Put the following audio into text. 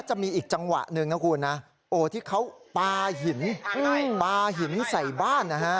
จะมีอีกจังหวะหนึ่งนะคุณนะโอ้ที่เขาปลาหินปลาหินใส่บ้านนะฮะ